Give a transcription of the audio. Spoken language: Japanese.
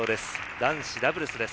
男子ダブルスです。